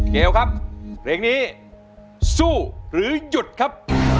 เกลครับเพลงนี้สู้หรือหยุดครับ